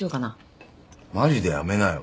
マジでやめなよ。